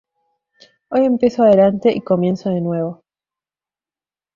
Hoy empiezo adelante y comienzo de nuevo"".